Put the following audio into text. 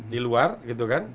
di luar gitu kan